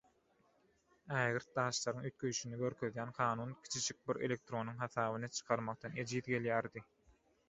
Ägirt daşlaryň üýtgeýşini görkezýän kanun kiçijek bir elektronyň hasabyny çykarmakdan ejiz gelýärdi.